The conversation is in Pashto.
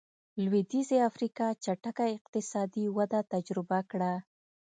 لوېدیځې افریقا چټکه اقتصادي وده تجربه کړه.